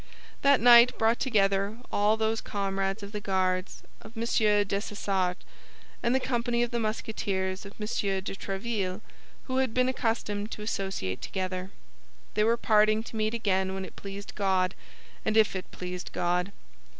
That night brought together all those comrades of the Guards of M. Dessessart and the company of Musketeers of M. de Tréville who had been accustomed to associate together. They were parting to meet again when it pleased God, and if it pleased God.